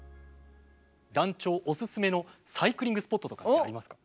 団長おすすめのサイクリングスポットとかってありますか？